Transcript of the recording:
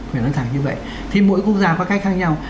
phải nói thẳng như vậy thì mỗi quốc gia có cách khác nhau